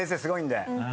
すごいんで。